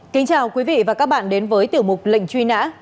kính chào quý vị và các bạn đến với tiểu mục lệnh truy nã